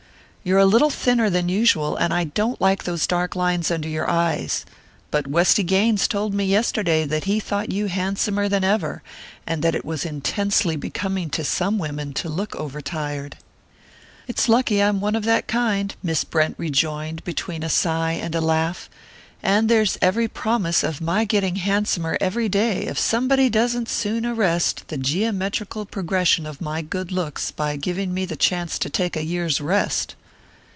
You're a little thinner than usual, and I don't like those dark lines under your eyes; but Westy Gaines told me yesterday that he thought you handsomer than ever, and that it was intensely becoming to some women to look over tired." "It's lucky I'm one of that kind," Miss Brent rejoined, between a sigh and a laugh, "and there's every promise of my getting handsomer every day if somebody doesn't soon arrest the geometrical progression of my good looks by giving me the chance to take a year's rest!"